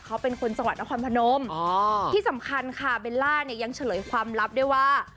เขาเป็นคนจังหวัดนครพนมที่สำคัญค่ะเบลล่าเนี่ยยังเฉลยความลับด้วยว่า